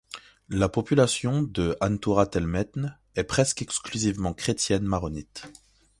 La population de Antourat el Metn est presque exclusivement chrétienne Maronite.